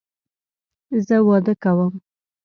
زه واده کوم